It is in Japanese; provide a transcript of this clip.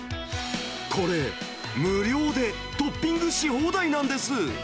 これ、無料でトッピングし放題なんです。